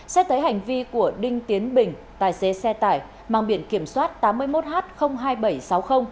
xét thấy hành vi của đinh tiến bình tài xế xe tải mang biển kiểm soát tám mươi một h hai nghìn bảy trăm sáu mươi